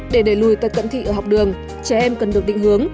để đẩy lùi tật cận thị ở học đường trẻ em cần được định hướng